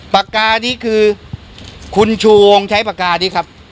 ปากกานี่คือคุณชูวงใช้ปากกานี้ครับ